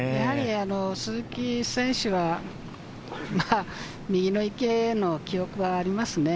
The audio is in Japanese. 鈴木選手は右の池の記憶はありますね。